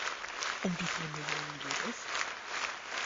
Um wie viele Millionen geht es?